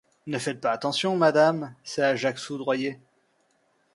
Ne faites pas attention, madame ; c’est Ajax foudroyé.